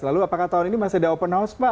lalu apakah tahun ini masih ada open house pak